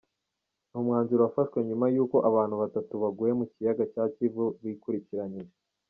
Ni umwanzuro wafashwe nyuma y’uko abantu batatu baguye mu kiyaga cya Kivu bikurikiranyije.